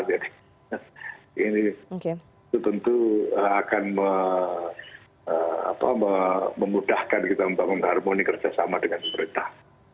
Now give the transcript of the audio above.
jadi itu tentu akan memudahkan kita untuk mengharmoni kerjasama dengan pemerintah